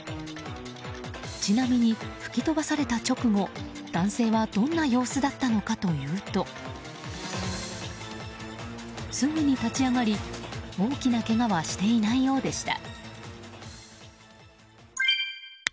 ちなみに、吹き飛ばされた直後男性はどんな様子だったのかというとすぐに立ち上がり、大きなけがはしていないようでした。